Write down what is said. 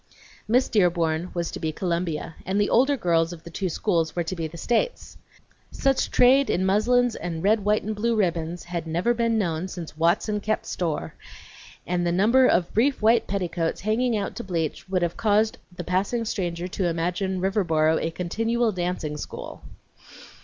Miss Dearborn was to be Columbia and the older girls of the two schools were to be the States. Such trade in muslins and red, white, and blue ribbons had never been known since "Watson kep' store," and the number of brief white petticoats hanging out to bleach would have caused the passing stranger to imagine Riverboro a continual dancing school.